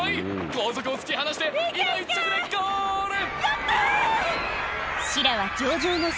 後続を突き放して今１着でゴール！